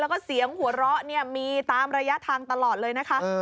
แล้วก็เสียงหัวเราะเนี่ยมีตามระยะทางตลอดเลยนะคะ